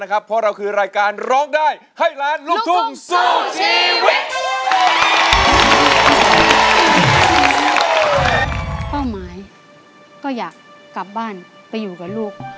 ข้อพิชิตก็อยากที่บ้านอยู่กับลูก